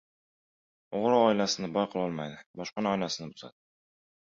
• O‘g‘ri oilasini boy qilolmaydi, boshqaning oilasini buzadi.